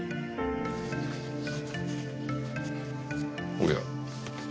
おや。